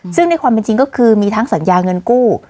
ซึ่งในความเป็นจริงก็คือมีทั้งสัญญาเงินกู้